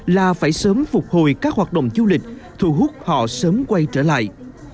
là phải sớm phục hồi các hoạt động du lịch thu hút họ sớm quay trở lại